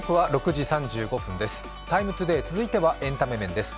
「ＴＩＭＥ，ＴＯＤＡＹ」続いてはエンタメ面です。